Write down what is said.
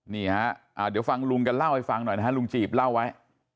นี่ฮะเดี๋ยวฟังลุงกันเล่าให้ฟังหน่อยนะฮะลุงจีบเล่าไว้